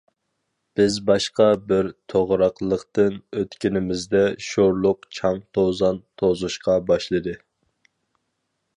بىز باشقا بىر توغراقلىقتىن ئۆتكىنىمىزدە شورلۇق چاڭ-توزان توزۇشقا باشلىدى.